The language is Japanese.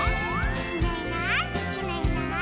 「いないいないいないいない」